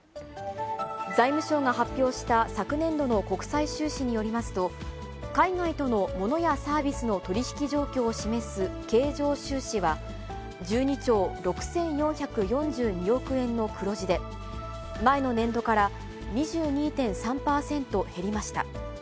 財務省が発表した昨年度の国際収支によりますと、海外との物やサービスの取り引き状況を示す経常収支は、１２兆６４４２億円の黒字で、前の年度から２２．３％減りました。